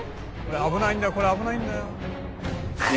危ないんだよこれ危ないんだよ。